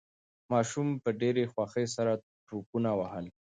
ماشوم په ډېرې خوښۍ سره ټوپونه وهل.